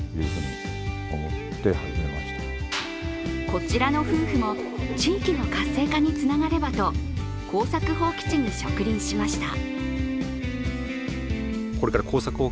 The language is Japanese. こちらの夫婦も地域の活性化につながればと耕作放棄地に植林しました。